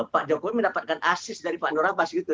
pak jokowi mendapatkan asis dari pak nur abbas gitu